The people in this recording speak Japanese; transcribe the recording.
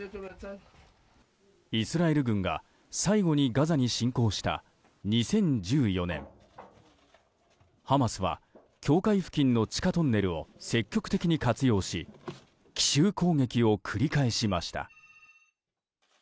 イスラエル軍が最後にガザに侵攻した２０１４年ハマスは境界付近の地下トンネルを積極的に活用し奇襲攻撃を繰り返しました。